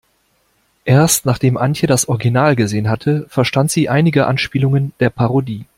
Erst nachdem Antje das Original gesehen hatte, verstand sie einige Anspielungen der Parodie.